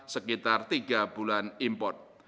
sekitar tiga bulan import